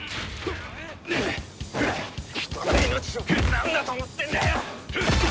人の命をなんだと思ってんだよ！